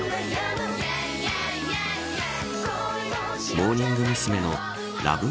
モーニング娘。のＬＯＶＥ